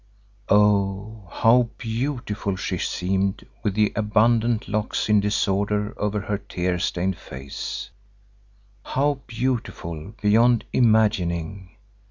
Oh, how beautiful she seemed with the abundant locks in disorder over her tear stained face, how beautiful beyond imagining!